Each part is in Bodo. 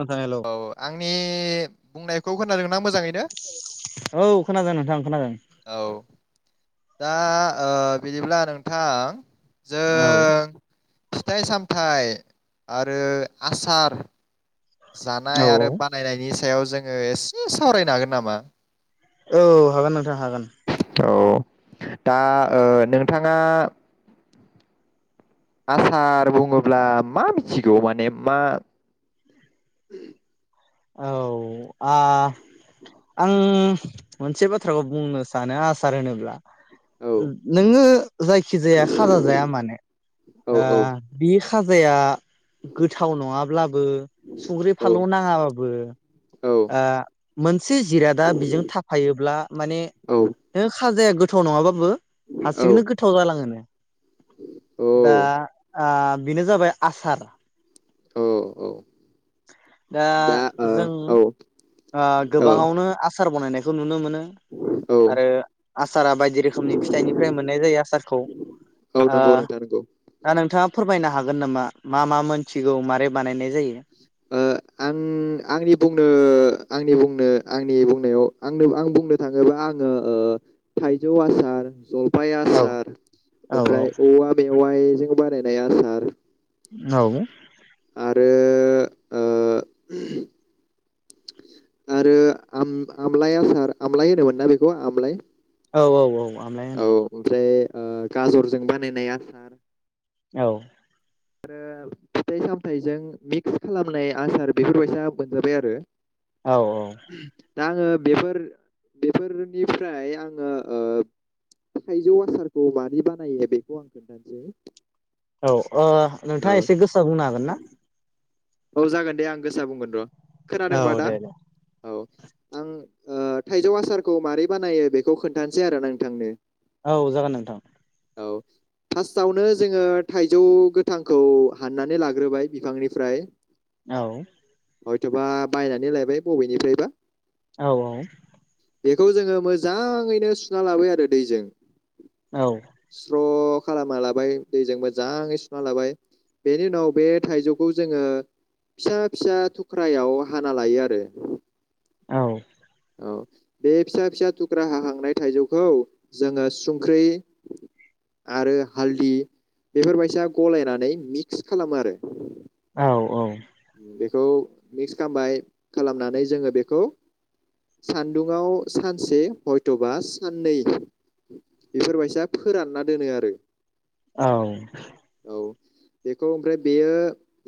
नोंथां हेलौ औ आंनि बुंनायखौ खोनादोंना मोजाङैनो औ खोनादों नोंथां खोनादों। औ दा। बिदिब्ला नोंथां। औ। जों फिथाइ सामथाइ आरो आसार औ जानाय आरो बानायनायनि सायाव जोङो एसे सावरायनो हागोन नामा। औ हागोन नोंथां हागोन। औ दा नोंथाङा। आसार बुङोब्ला मा मिथिगौ माने मा औ आं मोनसे बाथ्राखौ बुंनो सानो आसार होनोब्ला। औ नोङो जायखि जाया खाजा जाया मानो औ बि खाजाया। गोथाव नङाब्लाबो संख्रि फानलु नाङाबाबो। औ ओं। मोन। ए जिरादा बेजों थाफायोब्ला माने औ खाजाया। गोथाव' नङाबाबो। औ हारसिंनो गोथाव जालाङोनो। दा औ आं बेनो जाबाय आसार औ औ दा जों ओ औ ओ औ गोबाङावनो आस सार बानायनायखौ नुनो मोनो नों औ आरो आसारा बायदि रोखोमनि फिथाइनिफ्राय मोननाय जायो आसारखौ ओ नंगौ नोंथां नंगौ दा नोंथाङा फोरमायनो हागोन नामा मा मा मोनथिगौ मारै बानायनाय जायो ओ आं आंनि बुंनो आंनि बुंनो आंनि बुंनायाव आंनो आं बुंनो थाङोबा आङो ओ थाइजौ आसार जल फाय औ आसार औ ओमफ्राय औवा मेवाइ जों बानायनाय आसार औ आरो ओ आरो आम-आमलाय आसार आमलाय होनोमोनना बेखौ आमलाय? औ औ औ आमलाय होनो। ओ गाजरजों बानायनाय आसार। औ आरो फिथाइ सामथाइजों मिक्स खालामनाय आसार बेफोरबायसा मोनजाबाय आरो। औ औ दा आङो बेफोर बेफोरनिफ्राय आङो ओ थाइजौ आसारखौ मार बानायो बेखौ आं खोन्थासै। औ ओ नोंथाङा एसे गोसा बुंनो हागोन ना? औ जागोन दे आं गोसा बुंगोन र'। औ खोनादोंबा दा दे दे औ आं ओ थाइजौ आसारखौ मारोरै बानायो बेखौ खोन्थानोसै आरो नोंथांनो। औ जागोन नोंथां औ फासटआवनो जोङो थाइजौ गोथांखौ हाननानै लाग्रोबाय बिफांनिफ्राय। औ हयथ'बा बायनानै लायबाय बबेनिफ्रायबा। औ औ बेखौ जोङो मोजाङैनो सुना लाबो आरो दैजों। औ स्र' खालामना लाबाय दैजों मोजाङै सुना लाबाय बेनि उनाव बे थाइजौखौ जोङो फिसा फिसा थुख्रायाव हाना लायो आरो। औ औ बे फिसा फिसा थुख्रा हाहांनाय थाइजौखौ जोङो सुंख्रि आरो हालदि बेफोरबायसा गलायनानै मिक्स खालामो आरो। औ औ बेखौ मिक्स खालामबाय खालामनानै जोङो बेखौ सान्दुं आव सानसे हयथ'बा साननै बेफोरबायसा फोरानना दोनो आरो। औ औ बेखौ ओमफ्राय बेयो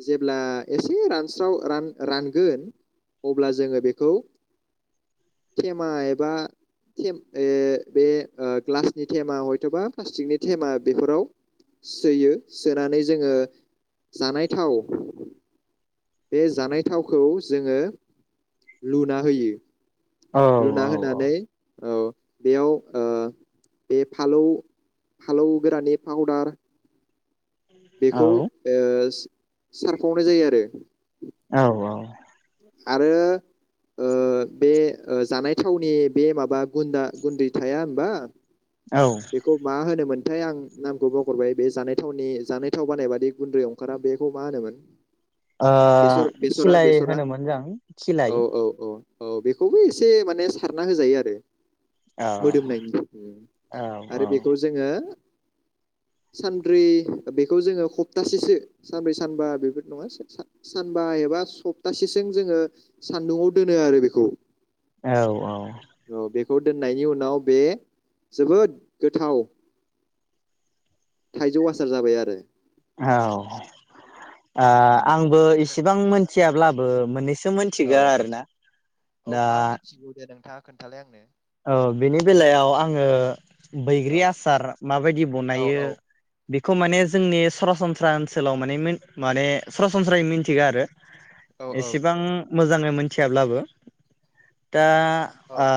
जेब्ला एसे रानस्राव रान-रानगोन अब्ला जोङो बेखौ थेमा एबा थेम ओ बे ओ ग्लासनि थेमा हयथ'बा प्लास्टिकनि थेमा बेफोराव सोयो सोनानै जोङो जानाय थाव बे जानाय थावखौ जोङो लुना होयो। लुना होनानै औ बेयाव ओ बे फालौ फालौ गोरानि पाउदार बेखौ ओ सारफावनाय जायो आरो। औ औ आरो ओ बे ओ जानाय थावनि बे माबा गुन्दा गुन्दै थाया होमबा औ ओ बेखौ मा होनोमोन? नाथाय आं नामखौ बावगरबाय बे जानाय थावनि जानाय थाव बानाय बादि गुन्द्रायाव ओंखारा बेखौ मा होनोमोन? ओ बेसर बेसरा खिलाय बेसरा होनोमोन जों औ खिलाय। औ औ औ बेखौबो एसे माने सारना होजायो आरो औ मोदोमनायनि औ आरो बेखौ जोङो सानब्रै बेखौ जोङो खप्तासेसो सानब्रै सानबा बेफोर नङा सप सान सानबा एबा सप्तासेसो जोङो सान्दुंङाव दोनो आरो बेखौ औ औ खौ दोननायनि उनाव बे जोबोद गोथाव थाइजौ आसार जाबाय आरो औ ओ बिदिनो आंबो जायो आरो इसेबां थाइजौ आसारा मोनथियाब्लाबो मोननैसो औ मोनथिगौ औ आरोना औ दा मा मिथिगौ दे नोंथाङा खोन्थालाय आंनो औ बेनि बेलायाव आङो औ बैग्रि आसार माबायदि औ बनायो औ बेखौ माने जोंनि सरासनस्रा ओनसोलाव माने मिन माने सरासनस्रायै मिनथिगौ आरो औ औ एसेबां मोजाङै मोथियाब्लाबो दा औ आ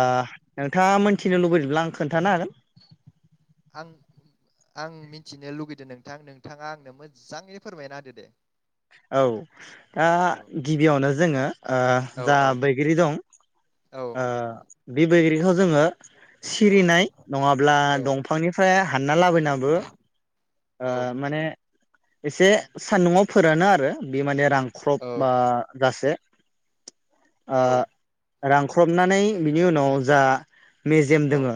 नोंथाङा मोनथिनो लुबैदोंब्ला आं खोन्थानो हागोन आं आं मिथिनो लुगैदों नोंथां नोंथाङा आंनो मोजाङैनो फोरमायना होदो दे औ दा औ गिबियावनो जोङो ओ औ जा औ बैग्रि दं औ ओ बि बैग्रिखौ जोङो सिरिनाय नङाब्ला औ दंफांनिफ्राय हानना लाबोनाबो ओ औ माने एसे सान्दुंआव फोरानो आरो बे माने रां ख्रप औ बा गासे औ आ रानख्रबनानै बिनि उनाव जा मेजेम औ औ दोङो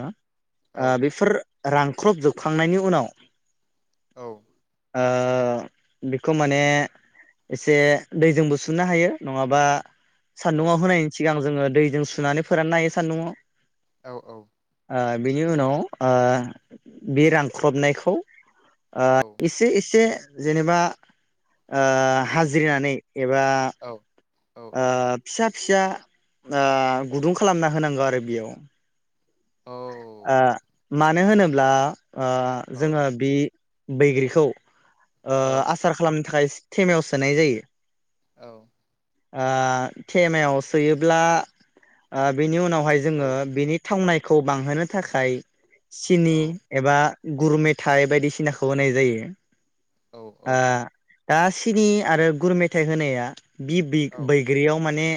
औ ओ बिफोर रानख्रबजोबखांनायनि उनाव औ ओ बिखौ माने एसे दैजोंबो सुनो हायो नङाबा सानदुङआव होनायनि सिगां जोङो दैजों सुनानै फोराननो हायो सान्दुङआव औ औ ओ बिनि उनाव ओ बे रानख्रबनायखौ ओ इसे इसे जेनेबा ओ औ हाजिरनानै एबा ओ फिसा फिसा ओ गुदुं खालामना होनांगो आरो बियाव ओ मानो होनोब्ला ओ जोङो बि बैग्रिखौ ओ आसार खालामनो थाखाय थेमायावसोनाय जायो औ ओ तेमायाव सोयोब्ला ओ बिनि उनाव हाय जोङो बिनि थावनाय खौ बांहोनो थाखाय सिनि एबा गुर मेथाइ बायदिसि सिनाखौ होनाय जायो ओ दा सिनि आरो गुर मेथाइ होनाया बि बिग बैग्रियाव माने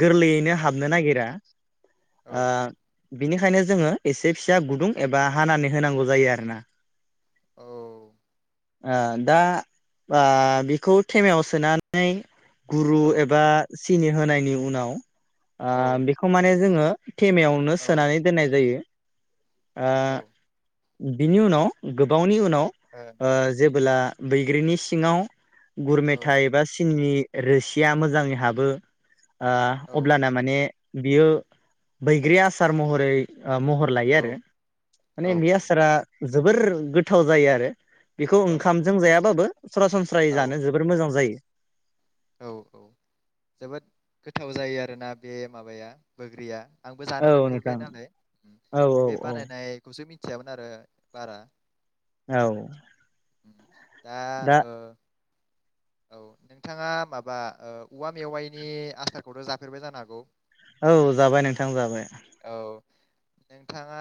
गोरलैयैनो हाबनो नागिमंज्ञमंरा--ओ बिनिखायनो जोङो एसे फिसा गुदुं एबा हानानै होनांगौ जायो आरो ना औ ओ दा बा बिखौ तेमायाव सोनानै गुरु एबा सिनि होनायनि उनाव ओ बेखौ माने जोङो थेमायावनो सोनानै दोननाय जायो ओ बिनि उनाव गो बावनि उन नाव जेबोला बैग्रिनि सिङाव गुर औ औ मेथाइ एबा सिनिनि रोसिया मोजाङै हाबो । ओ औ अब्लाना माने बियो बैग्रि आसार महरै ओ महर लायो आरो औ औ माने औ बे आसारा जोबोर गो थाव जायो आरो । बेखौ औ ओंखामजों जायाबाबो सरासनस्रायै औ जानो जोबोर मोजां जायो । औ औ जोबोद गोथाव जायो आरोना बे माबाया बोग्रिया । आंबो जानो औ मोनफेरबाय नोंथां नालाय औ बे औ बानायनायखौसो मि थिया मोन आरो बारा । औ उम दा ओ औ नोंथाङा माबा ओ औवा मेवाइनि आसारखौथ' जाफेरबाय जानो हागौ? औ जाबाय नोंथां जाबाय । औ नोंथाङा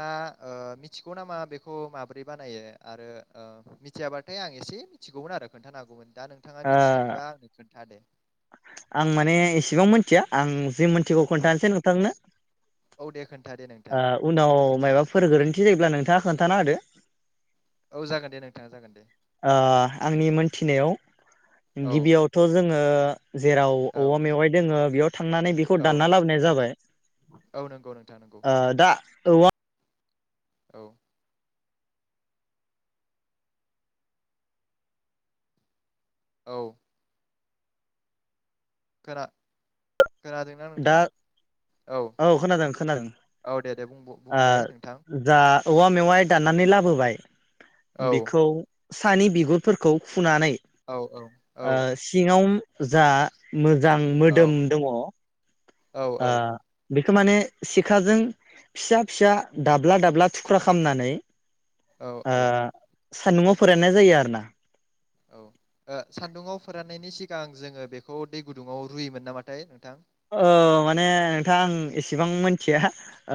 ओ मिथिगौ नामा बेखौ माब्रै बानायो आरो ओ मिथियाबाथाय आं एसे मिथिगौमोन आरो खोन्थानो हागौमोन दा नों थाङा ओ मिथियोबा आंनो खोन्था दे । आं माने एसेबां मिथिया आं जि मिथिगौ खोन्थानोसै नोंथांनो औ दे खोन्था दे । नोंथाङा ओ उनाव मायबाफोर गोरोन्थि जायोब्ला नोंथाङा खोनथाना होदो । औ जागोन दे नोंथाङा जागोन दे । ओ आंनि मोनथिनायाव औ गिबियावथ' जों आङो जेराव औवा औ मेवाइ दोङो बेयाव थांनानै बेखौ औ दानना लाबोनाय जाबाय । औ नंगौ नोंथां नंगौ ओ दा औवा औ औ फोरा [unintelligible] खोनादोंना नोंथां दा औ खोनादों खोनादों औ दे दे बुं बुंलाय नोंथां ओ जा औवा मेवाय दाननानै लाबोबाय औ बेखौ सानि बिगुरफोरखौ फुनानै औ औ औ ओ सिङाव जा मो मोजां मोदोम दङ'। औ औ बेखौ माने सिखाजों फिसा फिसा दाब्ला दाब्ला थुख्रा खामनानै। औ आ औ सान्दुंङाव फोरायनाय जायो आरो ना औ ओ सान्दुंङाव फोराननायनि सिगां जोङो बेखौ दै गुदुङाव रुयोमोन नामाथाय नोंथां औ माने नोंथाङा आं एसेबां मिथिया।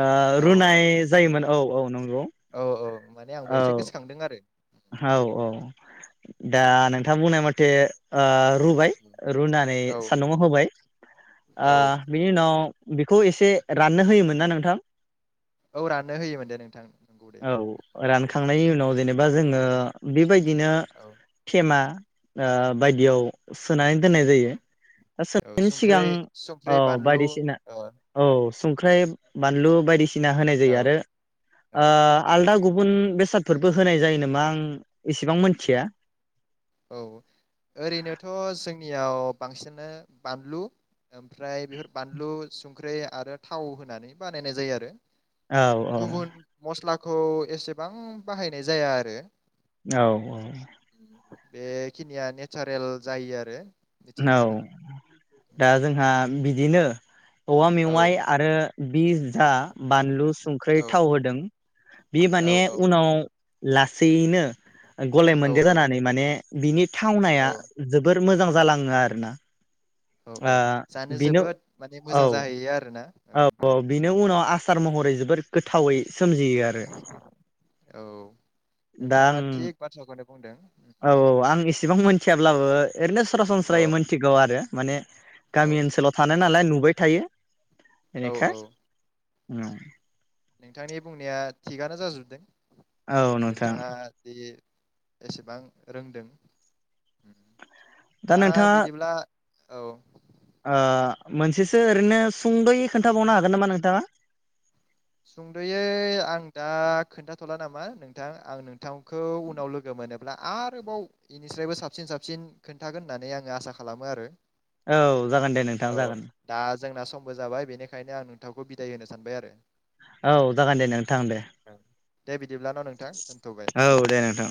ओ औ औ रुनाय औ जायोमोन औ औ नंगौ। औ औ माने आंबो औ एसे गोसोखांदों आरो औ औ दा औ नोंथां बुंनाय मथे। ओ रुबाय रुनानै औ सान्दुंङाव होबाय ओ औ बिनि उनाव बेखौ एसे राननो होयोमोन ना नोंथां औ राननो होयोमोन दे नोंथां नंगौ दे औ रान थांनायनि उनाव जेनेबा जोङो बेबायदिनो औ थेमा ओ बायदियाव सोनानै दोननाय औ जायो दा औ सोनायनि सिगां संख्रै औ संख्रै बानलु बायदिसिना ओ औ संख्राइ बानलु बायदिसिना होनाय औ जायो आरो ओ आलदा गुबुन बेसाद फोरबो होनाय जायो नामा आं इसेबां मिनथिया। औ ओरैनोथ' जोंनियाव बांसिनानो बानलु। ओमफ्राय बेफोर बानलु सं संख्रि आरो थाव होनानै बानायनाय जायो आरो औ औ गुबुन मस्ला खौ एसेबां बाहायनाय जाया आरो औ औ बेखिनिया नेचारेल जायो आरो औ मिथिंगानि दा जोंहा बिदिनो औवा औ मेवाइ आरो बिस दा बानलु संख्रि औ थाव होदों बे औ माने औ उनाव लाख सैयैनो गलाय औ मोनदेर जानानै माने बिनि औ थावनाया जोबोद मोजां जालां आरोना औ औ जानो बेनो जोबोद माने औ मोजां जाहैयो आरोना औ औ बिनि उनाव आसार महरै जोबोर गोथावै सोमजियो आरो औ दा नोंथाङा आं थिग बाथ्राखौनो बुंदों औ औ आं इसेबां मोनथियाब्लाबो ओरैनो औ सरासनस्रायै मिथिगौ आरो माने औ गामि ओनसोलाव थानाय नालाय नुबाय थायो औ बेनिखाय औ नोंथांनि बुंनाया थिगानो जा जोबदों औ नोंथां नोंथाङा दि एसेबां रोंदों दा बिदिब्ला औ ओ मोनसेसो ओरैनो सुंद'यै खोन्थाबावनो हागोन नामा नोंथाङा सुंद'यै आं दा खोन्थाथ'ला नामा नोंथां आं नोंथांखौ उनाव लोगो मोनोब्ला आरोबाव बेनिफ्राय्रायबो साबसिन साबसिन खोन्थागोन होननानै आङो आसा खालामो आरो औ जागोन दे औ नोंथाङा जागोन दा जोंना समबो जाबाय बेनिखायनो आं नोंथांखौ बिदाय होनो सानबाय आरो औ जागोन दे नोंथां दे औ दे बिदिबा बिदिब्लाना नोंथां दोनथ'बाय औ दे नोंथां